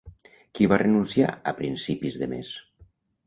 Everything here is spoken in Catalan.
Qui va renunciar a principis de mes?